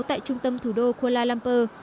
tại trung tâm thủ đô kuala lumpur